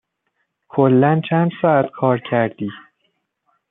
کلا چن ساعت کار کردی؟